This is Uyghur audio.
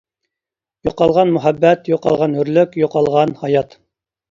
يوقالغان مۇھەببەت، يوقالغان ھۆرلۈك، يوقالغان ھايات.